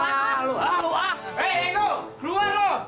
betinju tuh suka pakai gigi palsu ye